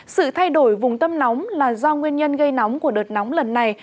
sự thay đổi vùng tâm nóng là do nguyên nhân gây nóng của đợt nóng lần này